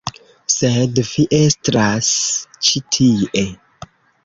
Sed Vi estras ĉi tie.